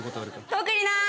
特にない。